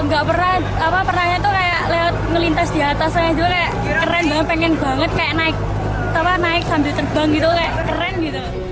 gak pernah pernah itu kayak melintas di atas saya juga kayak keren banget pengen banget kayak naik sambil terbang gitu kayak keren gitu